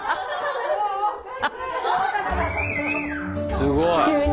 すごい。